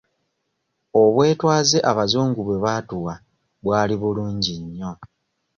Obwetwaze abazungu bwe baatuwa bwali bulungi nnyo.